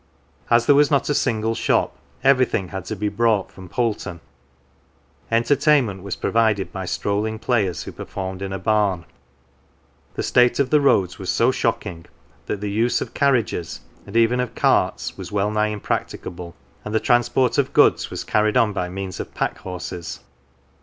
As there was not a single shop, everything had to be brought from Poulton. Entertainment was provided by strolling players who performed in a barn. The state of the roads was so shocking that the use of carriages, and even of carts, was wellnigh impracticable, and the transport of goods was carried on by means of pack horses.